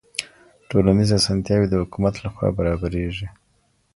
ټولنیز اسانتیاوې د حکومت لخوا برابریږي.